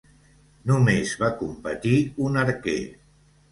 Només va competir un arquer.